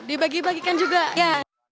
dibagi bagikan juga ya